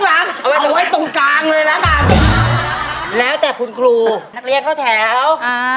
กำลังเรียนเข้าแถว